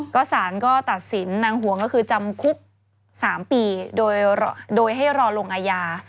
ก็สารก็ตัดสินนางหวงก็คือจำคุก๓ปีโดยให้รอลงอาญา